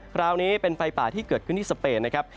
คราวนี้เป็นไฟป่าที่เกิดขึ้นที่สเปนนะครับ